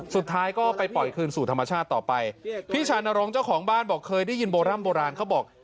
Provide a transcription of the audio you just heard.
สุดท้ายก็ไปปล่อยคืนสู่ธรรมชาติต่อไปพี่ชานรงค์เจ้าของบ้านบอกเคยได้ยินโบร่ำโบราณเขาบอก